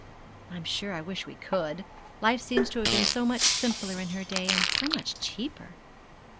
I'm sure I wish we could. Life seems to have been so much simpler in her day, and so much cheaper.